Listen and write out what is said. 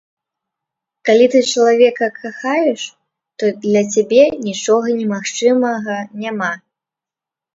Калі ты чалавека кахаеш, то для цябе нічога немагчымага няма.